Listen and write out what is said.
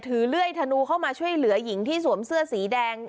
เลื่อยธนูเข้ามาช่วยเหลือหญิงที่สวมเสื้อสีแดง